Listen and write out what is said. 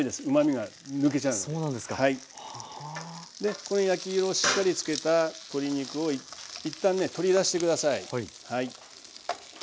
この焼き色をしっかりつけた鶏肉を一旦ね取り出して下さい。